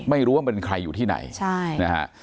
ไม่รู้ว่ามันใครอยู่ที่ไหน